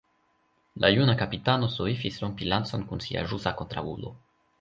La juna kapitano soifis rompi lancon kun sia ĵusa kontraŭulo.